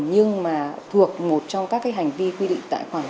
nhưng mà thuộc một trong các cái hành vi quy định tại khoản